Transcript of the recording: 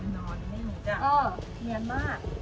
นอนนี่เนี้ยจ้ะเออเหมียนมาก